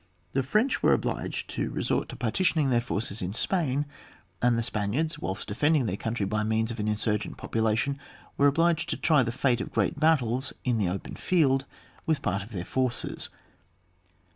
The French were obliged to resort to partitioning their forces in Spain, and the Spaniards, whilst defending their countiy by means of an insurgent population, were obliged to try the fate of great battles in the open field with part of their forces.